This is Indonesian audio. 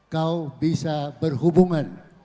kau bisa berhubungan